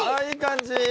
いい感じ。